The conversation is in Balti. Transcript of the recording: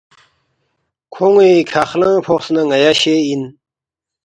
کھون٘ی کھہ خلنگ فوقس نہ ن٘یا شے اِن